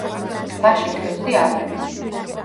ტბაში თევზი არ არის.